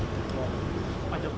bapak jokowi tadi sempat datang